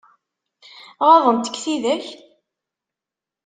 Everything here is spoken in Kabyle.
Ɣaḍent-k tidak?